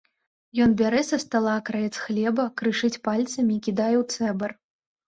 Ён бярэ са стала акраец хлеба, крышыць пальцамі і кідае ў цэбар.